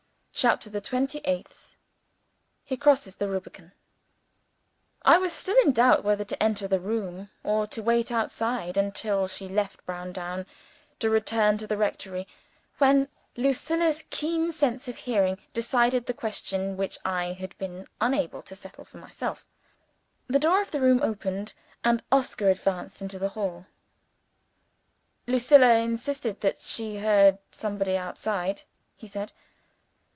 CHAPTER THE TWENTY EIGHTH He crosses the Rubicon I WAS still in doubt, whether to enter the room, or to wait outside until she left Browndown to return to the rectory when Lucilla's keen sense of hearing decided the question which I had been unable to settle for myself. The door of the room opened; and Oscar advanced into the hall. "Lucilla insisted that she heard somebody outside," he said.